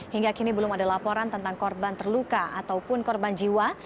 hingga kini belum ada laporan tentang korban terluka ataupun korban jiwa